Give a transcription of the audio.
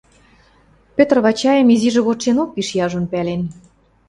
Петр Вачайым изижӹ годшенок пиш яжон пӓлен.